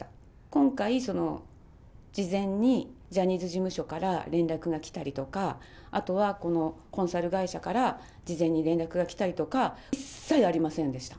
今回、事前にジャニーズ事務所から連絡が来たりだとか、あとはこのコンサル会社から事前に連絡が来たりとか、一切ありませんでした。